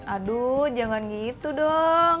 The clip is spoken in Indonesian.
aduh jangan gitu dong